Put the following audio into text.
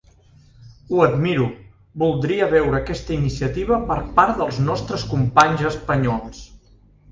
Ho admiro, voldria veure aquesta iniciativa per part dels nostres companys espanyols.